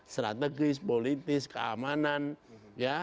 strategis politis keamanan ya